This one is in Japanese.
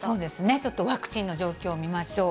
ちょっとワクチンの状況を見ましょう。